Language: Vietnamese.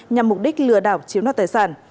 nhằm mục đích lừa đảo chiếm đoạt tài sản